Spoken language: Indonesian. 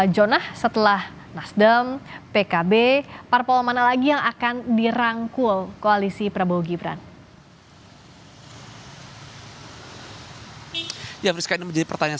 jonah setelah nasdem pkb parpol mana lagi yang akan dirangkul koalisi prabowo gibran